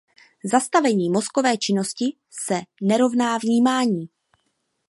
Zastavení mozkové činnosti se nerovná vnímání.